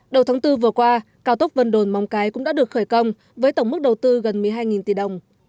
đầu tháng bốn vừa qua cao tốc vân đồn mong cái cũng đã được khởi công với tổng mức đầu tư gần một mươi hai tỷ đồng